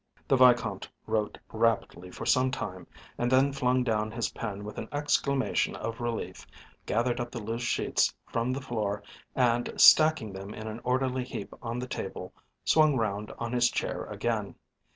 The Vicomte wrote rapidly for some time and then flung down his pen with an exclamation of relief, gathered up the loose sheets from the floor and, stacking them in an orderly heap on the table, swung round on his chair again.